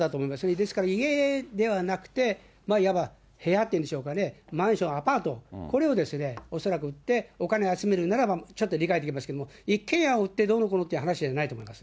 ですから、家ではなくて、いわば部屋というんでしょうかね、マンション、アパート、これを恐らく売って、お金集めるならばちょっと理解できますけども、一軒家を売ってどうのこうのっていう話じゃないと思います。